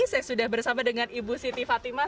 saya sudah bersama dengan ibu siti fatimah